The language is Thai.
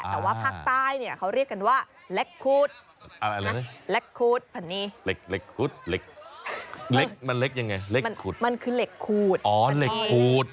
แต่ว่าภาคใต้เขาเรียกกันว่าเล็กคูด